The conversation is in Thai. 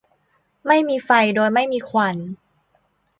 ไม่มีไฟโดยไม่มีควัน